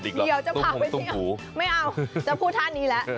เหยียวไถ้หนุนฝังไหมไม่เอาจะพูดท่านี้เลย